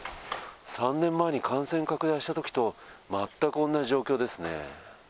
３年前に感染拡大したときと全く同じ状況ですね。